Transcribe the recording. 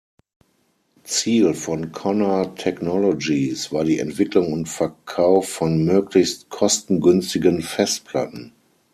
Ziel von Conner Technologies war die Entwicklung und Verkauf von möglichst kostengünstigen Festplatten.